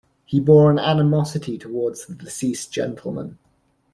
He bore an animosity towards the deceased gentleman.